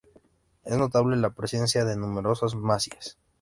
Es notable la presencia de numerosas masías.